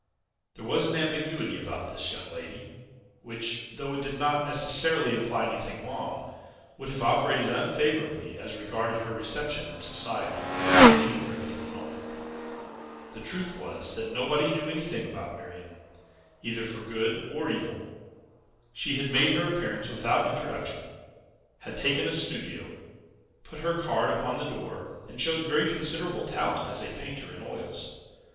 There was an ambiguity about this young lady, which, though it did not necessarily imply anything wrong, would have operated unfavorably as regarded her reception in society, anywhere but in Rome. The truth was, that nobody knew anything about Miriam, either for good or evil. She had made her appearance without introduction, had taken a studio, put her card upon the door, and showed very considerable talent as a painter in oils.